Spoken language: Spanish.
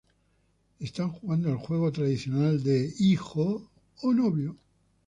Están jugando el juego tradicional de "Hijo...¿o novio?